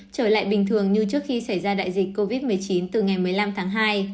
trở lại bình thường như trước khi xảy ra đại dịch covid một mươi chín từ ngày một mươi năm tháng hai